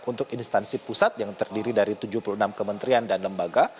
untuk instansi pusat yang terdiri dari tujuh puluh enam kementerian dan lembaga